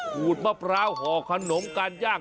ขูดมะพร้าวห่อขนมการย่าง